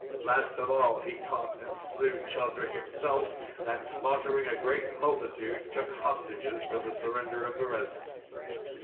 Last of all he caught and slew Cheldric himself, and slaughtering a great multitude took hostages for the surrender of the rest.